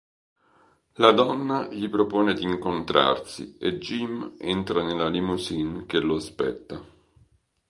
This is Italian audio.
La donna gli propone di incontrarsi, e Jim entra nella limousine che lo aspetta.